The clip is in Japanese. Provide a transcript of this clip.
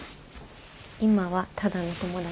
今はただの友達。